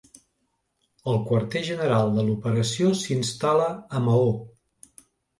El Quarter General de l'operació s'instal·la a Maó.